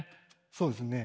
そうですね。